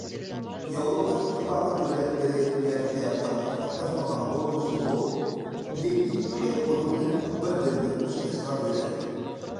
ياۋروپا ئىتتىپاقى دۆلەتلىرى گەرچە پاراتقا قاتناشمىغان بولمىسىمۇ، لېكىن چېخ بۇنىڭدىن بىردىن بىر مۇستەسنا دۆلەت.